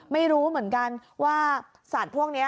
ไม่รู้เหมือนกันว่าสัตว์พวกนี้